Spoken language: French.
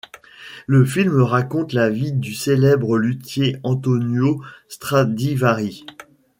Le film raconte la vie du célèbre luthier Antonio Stradivari.